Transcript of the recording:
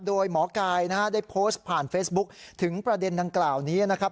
โดยหมอกายนะฮะได้โพสต์ผ่านเฟซบุ๊คถึงประเด็นดังกล่าวนี้นะครับ